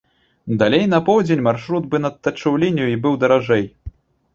Далей на поўдзень маршрут бы надтачыў лінію і быў даражэй.